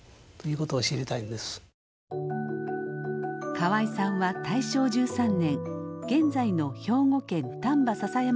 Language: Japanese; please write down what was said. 河合さんは大正１３年現在の兵庫県丹波篠山市生まれ。